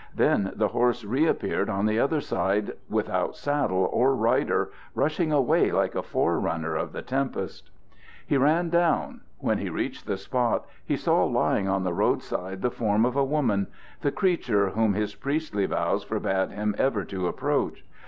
Then the horse reappeared on the other side, without saddle or rider, rushing away like a forerunner of the tempest. He ran down. When he reached the spot he saw lying on the road side the form of a woman the creature whom his priestly vows forbade him ever to approach.